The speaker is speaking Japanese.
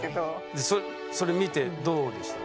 でそれ見てどうでした？